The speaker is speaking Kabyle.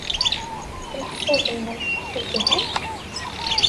Ɣef leḥsab-nnem, zhant?